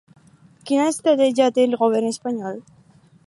Quina estratègia té el govern espanyol?